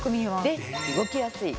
で動きやすい。